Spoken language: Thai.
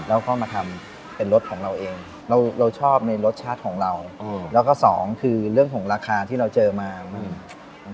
แล้วก็มาทำเป็นรสของเราเองเราเราชอบในรสชาติของเราอืมแล้วก็สองคือเรื่องของราคาที่เราเจอมาอืม